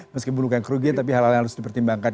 meskipun bukan kerugian tapi hal hal yang harus dipertimbangkan